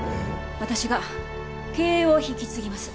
私が経営を引き継ぎます。